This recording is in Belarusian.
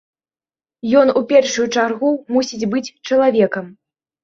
Ён у першую чаргу мусіць быць чалавекам.